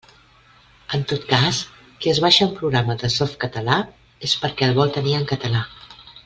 En tot cas, qui es baixa un programa de Softcatalà és perquè el vol tenir en català.